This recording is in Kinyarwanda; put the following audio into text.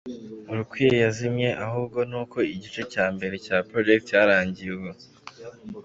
urukwiye yazimye, ahubwo ni uko igice cya mbere cya projet cyarangiye, ubu.